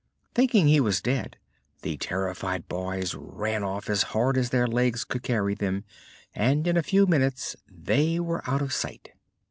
Thinking he was dead, the terrified boys ran off as hard as their legs could carry them and in a few minutes they were out of sight.